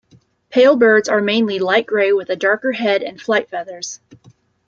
Pale birds are mainly light grey with a darker head and flight feathers.